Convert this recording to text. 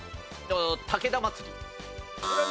武田まつり。